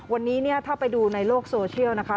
วันนี้เนี่ยถ้าไปดูในโลกโซเชียลนะคะ